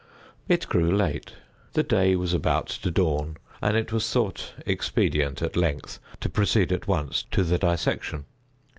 It grew late. The day was about to dawn; and it was thought expedient, at length, to proceed at once to the dissection.